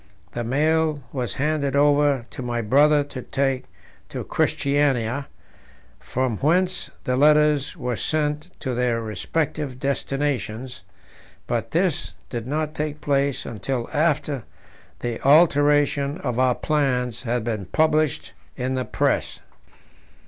The mail was handed over to my brother to take to Christiania, from whence the letters were sent to their respective destinations; but this did not take place until after the alteration of our plans had been published in the Press.